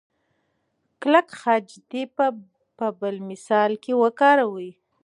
کلک خج دې په بل مثال کې وکاروئ.